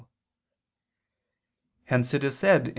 Hence it is said (XIX, qu.